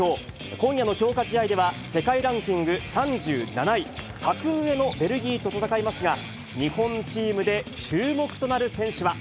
今夜の強化試合では、世界ランキング３７位、格上のベルギーと戦いますが、日本チームで注目となる選手は。